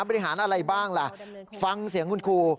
บริหารอะไรบ้างล่ะฟังเสียงคุณครู